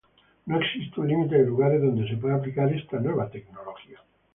No existe un límite de lugares donde se puede aplicar esta nueva tecnología.